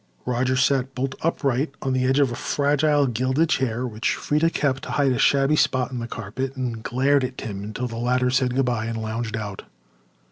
Roger sat bolt upright on the edge of a fragile, gilded chair which Freda kept to hide a shabby spot in the carpet, and glared at Tim until the latter said goodbye and lounged out.